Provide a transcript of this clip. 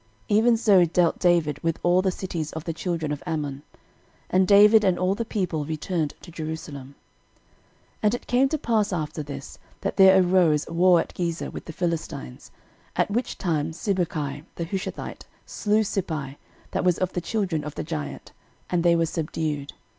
Even so dealt David with all the cities of the children of Ammon. And David and all the people returned to Jerusalem. 13:020:004 And it came to pass after this, that there arose war at Gezer with the Philistines; at which time Sibbechai the Hushathite slew Sippai, that was of the children of the giant: and they were subdued.